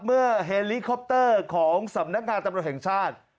เฮลิคอปเตอร์ของสำนักงานตำรวจแห่งชาติ